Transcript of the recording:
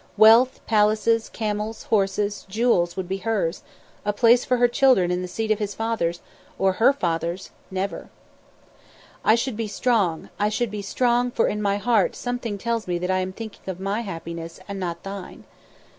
Wealth, palaces, camels, horses, jewels would be hers; a place for her children in the seat of his fathers, or her fathers, never. "I should be strong, I should be strong, for in my heart something tells me that I am thinking of my happiness and not thine."